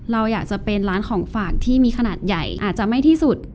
เราอยากจะเป็นร้านของฝากที่มีขนาดใหญ่อาจจะไม่ที่สุด